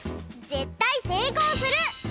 ぜったいせいこうする！